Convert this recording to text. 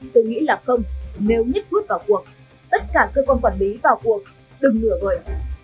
tôi nghĩ là không nếu nhất quốc vào cuộc tất cả cơ công quản lý vào cuộc đừng ngửa rồi